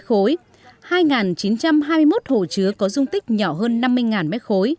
hai chín trăm hai mươi một hồ chứa có dung tích nhỏ hơn năm mươi m ba